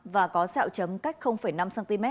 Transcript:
và có sẹo chấm cách năm cm